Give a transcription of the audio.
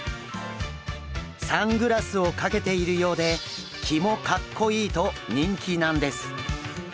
サングラスをかけているようでキモカッコイイと人気なんです。